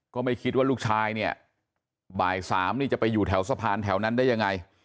ก็ไม่คิดว่าลูกชายเนี่ยบ่าย๓นี่จะไปอยู่แถวสะพานแถวนั้นได้ยังไง